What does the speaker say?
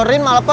terima kasih mak